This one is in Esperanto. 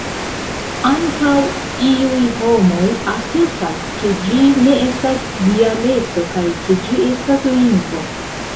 Ankaŭ iuj homoj asertas ke ĝi ne estas dialekto kaj ke ĝi estas lingvo.